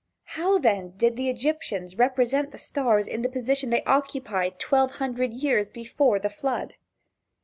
How then did the Egyptians represent the stars in the position they occupied twelve hundred years before the flood?